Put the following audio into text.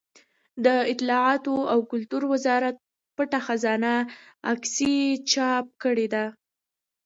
د اطلاعاتو او کلتور وزارت پټه خزانه عکسي چاپ کړې ده.